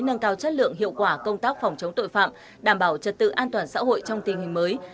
nâng cao chất lượng hiệu quả công tác phòng chống tội phạm đảm bảo trật tự an toàn xã hội trong tình hình mới